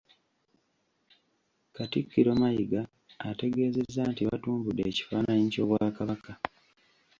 Katikkiro Mayiga ategeezezza nti batumbudde ekifaananyi ky’Obwakabaka